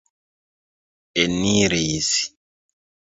eniris